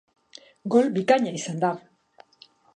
Gol bikaina izan da.